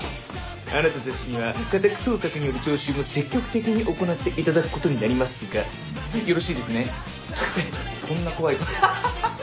「あなたたちには家宅捜索による徴収も積極的に行っていただくことになりますがよろしいですね？」とか言ってこんな怖い顔ハハハハ！